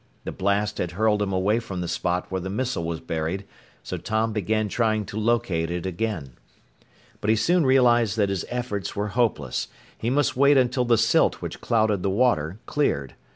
The blast had hurled him away from the spot where the missile was buried, so Tom began trying to locate it again. But he soon realized that his efforts were hopeless. He must wait until the silt which clouded the water cleared.